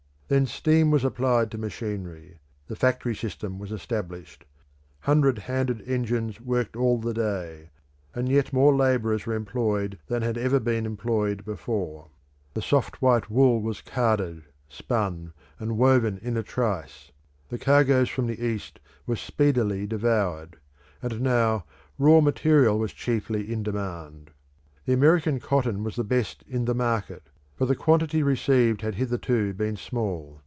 Then steam was applied to machinery; the factory system was established; hundred handed engines worked all the day: and yet more labourers were employed than had ever been employed before; the soft white wool was carded, spun, and woven in a trice; the cargoes from the East were speedily devoured; and now raw material was chiefly in demand. The American cotton was the best in the market; but the quantity received had hitherto been small.